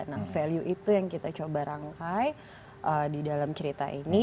nah value itu yang kita coba rangkai di dalam cerita ini